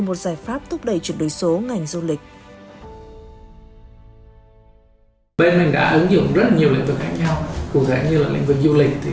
một giải pháp thúc đẩy chuyển đổi số ngành du lịch bên mình đã ứng dụng rất nhiều lĩnh vực